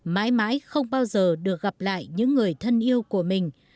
mãi mãi không bao giờ được gặp lại những người thân yêu của mình